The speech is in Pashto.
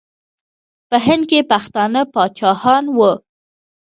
په هند کې پښتانه پاچاهان وو.